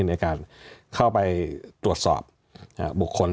ในการเข้าไปตรวจสอบบุคคล